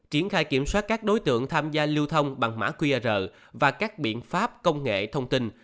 triển khai kiểm soát các đối tượng tham gia lưu thông bằng mã qr và các biện pháp công nghệ thông tin